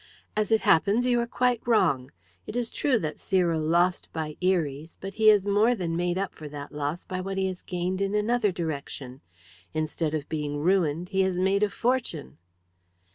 "As it happens, you are quite wrong. It is true that Cyril lost by Eries, but he has more than made up for that loss by what he has gained in another direction. Instead of being ruined, he has made a fortune."